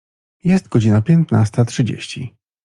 Jest godzina piętnasta trzydzieści.